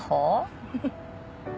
フフフ。